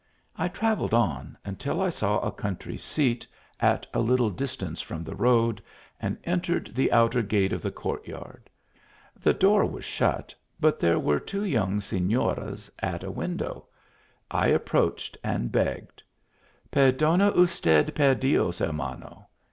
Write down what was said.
I travelled on until I saw a country seat, at a little distance from the road, and entered the outer gate of the court yard. The door was shut, but there were two young signcras at a window. I approached, and begged :* Perclona usted per Dios hermano!